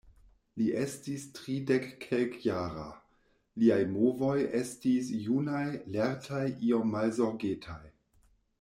Li estis tridekkelkjara, liaj movoj estis junaj, lertaj, iom malzorgetaj.